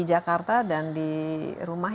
jakarta dan di rumah